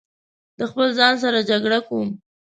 له خپل ځان سره جګړه کوم